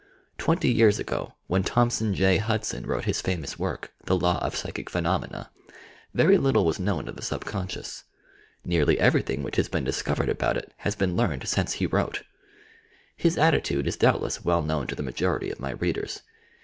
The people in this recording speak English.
Twenty years ago, when Thomson J. Hudson wrote his famous work, "The Law of Psychic Phenomena," very little was known of the subconscious. Nearly everything which has been discovered about it has been learned since he wrote. His attitude is doubtless well known to the majority of my readers.